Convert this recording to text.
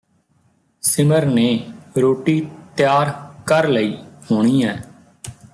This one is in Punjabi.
ਸਿਮਰ ਨੇ ਰੋਟੀ ਤਿਆਰ ਕਰ ਲਈ ਹੋਣੀ ਐਂ